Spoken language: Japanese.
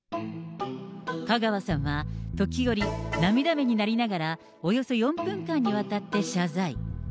香川さんは時折、涙目になりながら、およそ４分間にわたって謝罪。